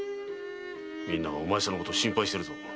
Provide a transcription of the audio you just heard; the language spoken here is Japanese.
みんながお前さんのこと心配してるぞ。